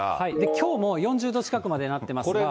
きょうも４０度近くまでなっていますが。